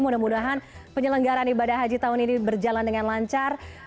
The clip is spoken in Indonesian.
mudah mudahan penyelenggaran ibadah haji tahun ini berjalan dengan lancar